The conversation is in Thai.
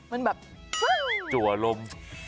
มันแบบจัวลม